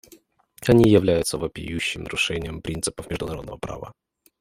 Они являются вопиющим нарушением принципов международного права.